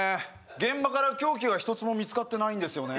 現場から凶器が１つも見つかってないんですよね